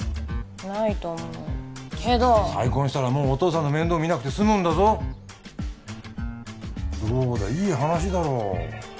ないと思うけど再婚したらもうお父さんの面倒見なくて済むんだぞどうだいい話だろ？